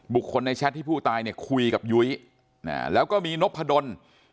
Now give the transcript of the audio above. บุคคลในแชทที่ผู้ตายเนี่ยคุยกับยุ้ยแล้วก็มีนพดล